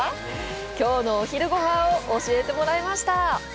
きょうのお昼ごはんを教えてもらいました！